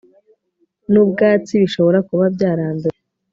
n ubwatsi bishobora kuba byarandujwe